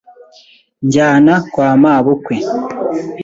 Njyana kwa mabukwe.